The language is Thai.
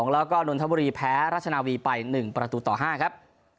แล้วก็นนทบุรีแพ้รัชนาวีไป๑ประตูต่อ๕ครับ